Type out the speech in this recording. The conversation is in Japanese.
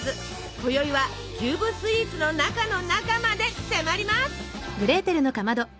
こよいはキューブスイーツの中の中まで迫ります。